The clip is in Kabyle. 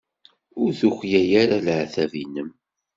Ur tuklal ara leɛtab-nnem.